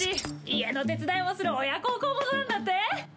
家の手伝いもする親孝行者なんだって？